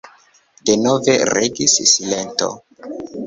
Denove regis silento.